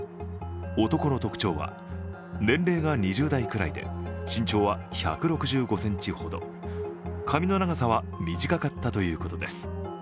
男の特徴は、年齢が２０代くらいで身長は１６５ｃｍほど、髪の長さは短かったということです。